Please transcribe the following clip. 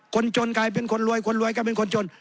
คนจนกลายเป็นคนรวยคนรวยกลายเป็นคนจน